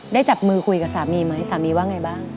จับมือคุยกับสามีไหมสามีว่าไงบ้าง